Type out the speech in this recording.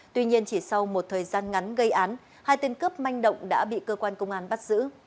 tuy nhiên chỉ sau một thời gian ngắn gây án hai tên cướp manh động đã bị cơ quan công an bắt giữ